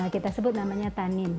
kita sebut namanya tanin